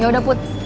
ya udah put